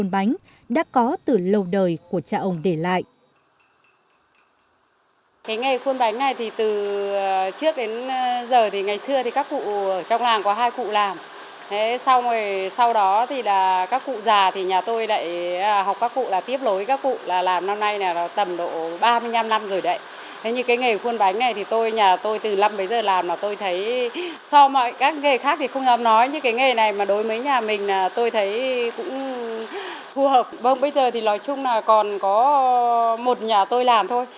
bây giờ thì nói chung là còn có một nhà tôi làm thôi